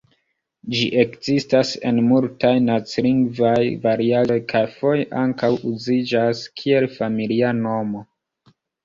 Ĝi ekzistas en multaj nacilingvaj variaĵoj, kaj foje ankaŭ uziĝas kiel familia nomo.